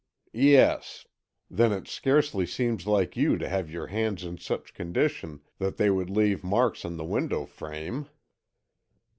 "Yes. Then it scarcely seems like you to have your hands in such condition that they would leave marks on the window frame."